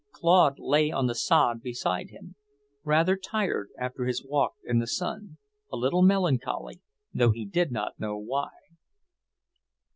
Claude lay on the sod beside him, rather tired after his walk in the sun, a little melancholy, though he did not know why.